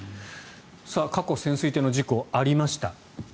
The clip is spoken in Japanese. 過去、潜水艇の事故ありました。